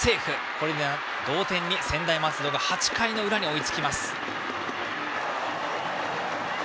これで同点に専大松戸が８回の裏に追いつきます。